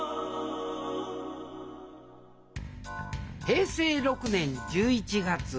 平成６年１１月。